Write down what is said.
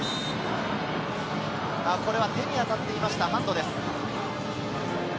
これは手に当たっていました、ハンドです。